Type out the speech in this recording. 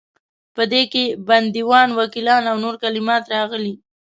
په دې کې بندیوان، وکیلان او نور کلمات راغلي.